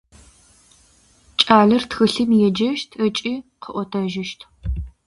Кӏалэр тхылъым еджэщт ыкӏи къыӏотэжьыщт.